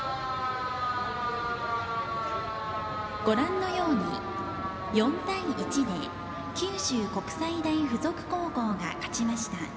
ご覧のように４対１で九州国際大付属高校が勝ちました。